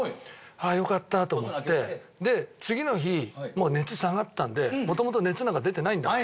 あぁよかったと思ってで次の日もう熱下がったんでもともと熱なんか出てないんだから。